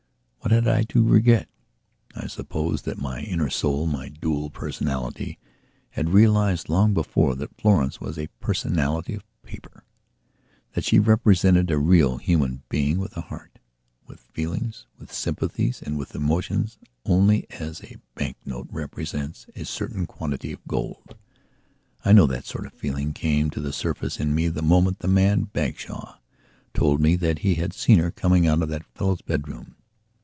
What had I to regret? I suppose that my inner soulmy dual personalityhad realized long before that Florence was a personality of paperthat she represented a real human being with a heart, with feelings, with sympathies and with emotions only as a bank note represents a certain quantity of gold. I know that sort of feeling came to the surface in me the moment the man Bagshawe told me that he had seen her coming out of that fellow's bedroom.